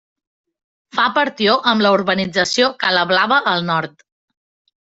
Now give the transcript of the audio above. Fa partió amb la urbanització Cala Blava al nord.